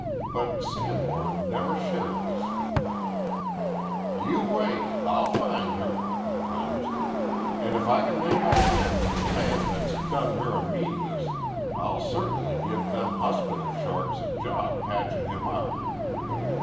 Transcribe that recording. But Sanborn never shared this feeling. "You wait. I'll find her," he promised. "An' if I can lay my hands on the man that's done her a meanness, I'll certainly give them hospital sharks a job patchin' him up."